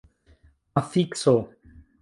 afikso